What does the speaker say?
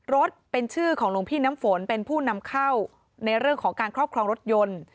รถเป็นชื่อของหลวงพี่น้ำฝนเป็นผู้นำเข้าในเรื่องของการครอบครองรถยนต์